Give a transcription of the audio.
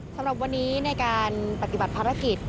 สำหรับวันนี้ในการปฏิบัติภารกิจ